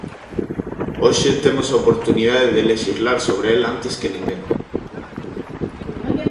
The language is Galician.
Hoxe temos a oportunidade de lexislar sobre el antes que ninguén.